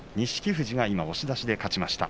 富士が押し出しで勝ちました。